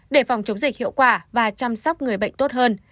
để phòng chống dịch hiệu quả và chăm sóc người bệnh tốt hơn